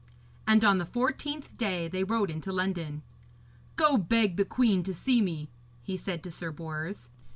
And on the fourteenth day they rode into London. 'Go beg the queen to see me,' he said to Sir Bors.